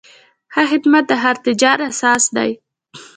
ښه خدمت د هر تجارت اساس دی.